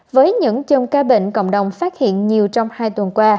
với những chôn ca bệnh cộng đồng phát hiện nhiều trong hai tuần qua